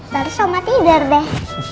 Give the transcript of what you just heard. terus oma tidur deh